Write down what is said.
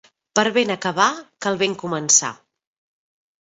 Per ben acabar cal ben començar.